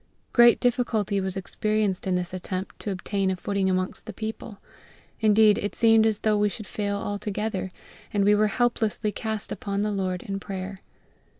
Great difficulty was experienced in this attempt to obtain a footing amongst the people. Indeed, it seemed as though we should fail altogether, and we were helplessly cast upon the LORD in prayer.